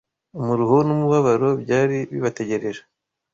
umuruho n’umubabaro byari bibategereje,